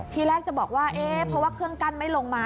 ทีแรกจะบอกว่าเอ๊ะเพราะว่าเครื่องกั้นไม่ลงมา